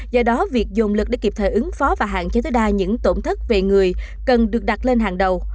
do đó việc dồn lực để kịp thời ứng phó và hạn chế tối đa những tổn thất về người cần được đặt lên hàng đầu